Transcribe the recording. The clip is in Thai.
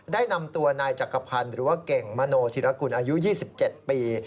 ได้นำตัวนายจักรพันธ์หรือว่าเก่งมโนธิรกุลอายุ๒๗ปี